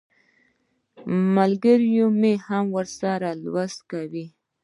ملګری مې هم لوستل کوي.